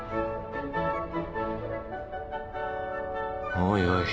おいおい。